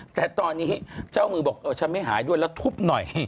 แต่ตอนนี้เจ้ามือบอกเออฉันไม่หายด้วยแล้วทุบหน่อย